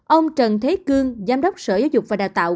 ông trần thế cương giám đốc sở giáo dục và đào tạo